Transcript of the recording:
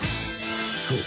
［そう。